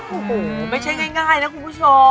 โอ้โหไม่ใช่ง่ายนะคุณผู้ชม